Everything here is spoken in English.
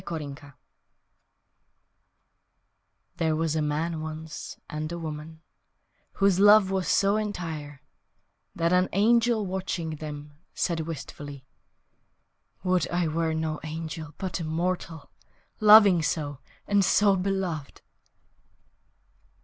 Perhaps THERE was a man, once, and a woman Whose love was so entire That an angel, watching them, Said wistfully, "Would I were no angel But a mortal, Loving so, and so beloved!"